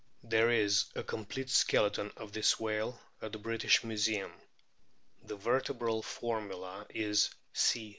There is a complete skeleton of this whale at the British Museum. The vertebral formula is C.